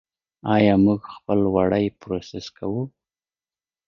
آیا موږ خپل وړۍ پروسس کوو؟